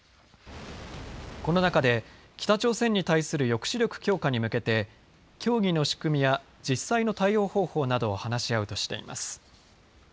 この中で北朝鮮のに対する抑止力強化に向けて協議の仕組みや実際の対応方法などを話し合うとしています。